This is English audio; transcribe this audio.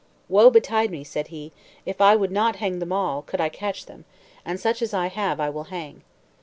"Woe betide me," said he, "if I would not hang them all, could I catch them, and such as I have I will hang."